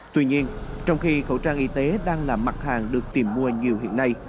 tuy nhiên trong khi khẩu trang y tế đang là mặt hàng được tìm mua nhiều hiện nay